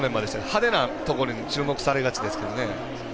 派手なところに注目されがちですね。